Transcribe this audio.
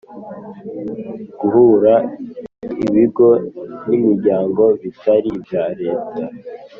guhugura ibigo n’imiryango bitari ibya leta